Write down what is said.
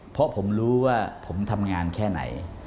เพราะผมรู้ว่าผมทำงานแค่ไหน